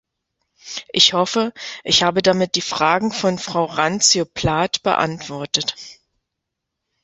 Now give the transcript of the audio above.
Ich hoffe, ich habe damit die Fragen von Frau Randzio-Plath beantwortet.